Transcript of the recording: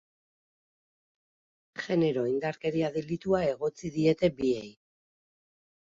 Genero indarkeria delitua egotzi diete biei.